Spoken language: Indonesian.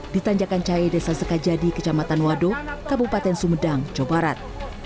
di tanjakan cahaya desa sekajadi kecamatan wado kabupaten sumedang jawa barat